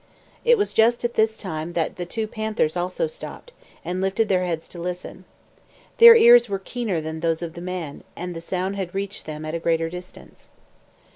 It was just at this time that the two panthers also stopped, and lifted their heads to listen. Their ears were keener than those of the man, and the sound had reached them at a greater distance.